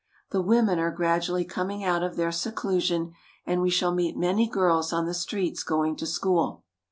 The women are gradually coming out of their seclusion, and we shall meet many girls on the streets going to school.